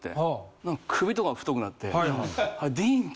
首とかも太くなって。